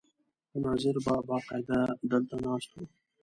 خو ناظر به باقاعده دلته ناست و.